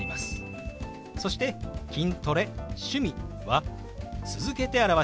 そして「筋トレ趣味」は続けて表しますよ。